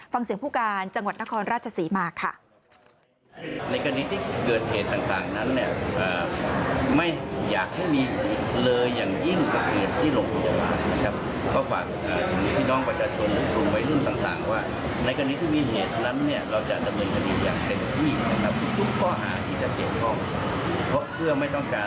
ฟังเสียงผู้การจังหวัดนครราชศรีมาค่ะ